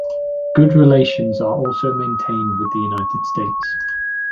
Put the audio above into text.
Good relations are also maintained with the United States.